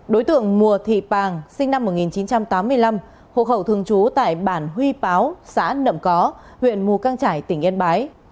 đối tượng mùa thị pàng sinh năm một nghìn chín trăm tám mươi năm hộ khẩu thường trú tại bản huy báo xã nậm có huyện mù căng trải tỉnh yên bái